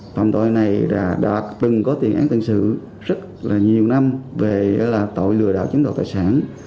đối tượng này đã từng có tiền án tình sự rất là nhiều năm về tội lừa đạo chính đạo tài sản